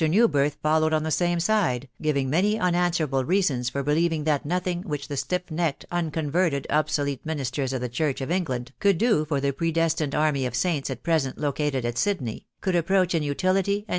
Newbirth followed en. the same side*, giving naany an answerable seasons for believing that nothing whieh the stat necked, unconverted, obsolete mraisterft of the church, ef England could do for the predestined army of saints at grass* located at Sydney, could approach in utility and.